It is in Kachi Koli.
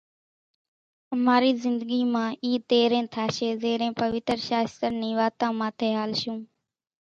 اماري زندگي مان اِي تيرين ٿاشي زيرين پويتر شاستر ني واتان ماٿي ھالشون